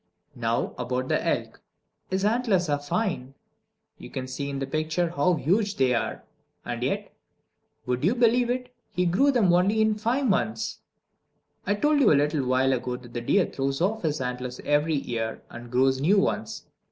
Now about the elk. His antlers are fine! You can see in the picture how huge they are. And yet, would you believe it, he grew them in only five months! I told you a little while ago that a deer throws off his antlers every year, and grows new ones.